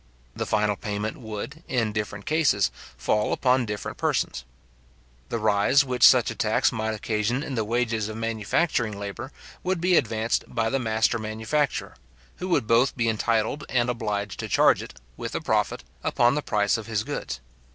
The final payment would, in different cases, fall upon different persons. The rise which such a tax might occasion in the wages of manufacturing labour would be advanced by the master manufacturer, who would both be entitled and obliged to charge it, with a profit, upon the price of his goods.